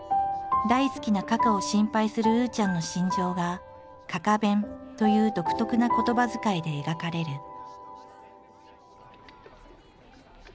大好きなかかを心配するうーちゃんの心情が「かか弁」という独特な言葉遣いで描かれる。